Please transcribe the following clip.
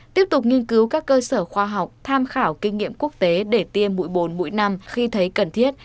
tiếp tục nghiên cứu các cơ sở khoa học tham khảo kinh nghiệm quốc tế để tiêm mũi bồn mỗi năm khi thấy cần thiết